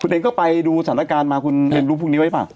คุณเองก็ไปดูสรรคารมาคุณเล่นรู้พรรค์พรุ่งนี้ไว้ป่ะ